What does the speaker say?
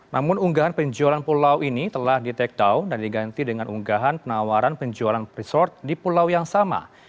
namun unggahan penjualan pulau ini telah di take down dan diganti dengan unggahan penawaran penjualan resort di pulau yang sama